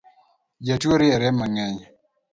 Jatuo riere mang’eny